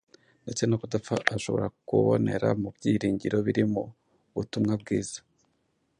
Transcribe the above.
ndetse no kudapfa ashobora kubonera mu byiringiro biri mu butumwa bwiza.